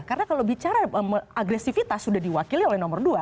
karena kalau bicara agresivitas sudah diwakili oleh nomor dua